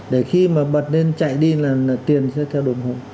để khi mà bật lên chạy đi là tiền sẽ theo đồng hồ